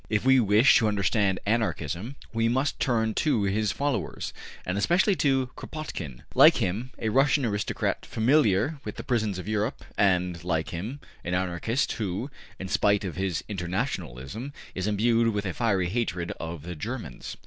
If we wish to understand Anarchism we must turn to his followers, and especially to Kropotkin like him, a Russian aristocrat familiar with the prisons of Europe, and, like him, an Anarchist who, in spite of his internationalism, is imbued with a fiery hatred of the Germans.